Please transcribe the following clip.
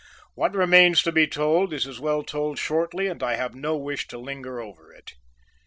What remains to be told is as well told shortly and I have no wish to linger over it.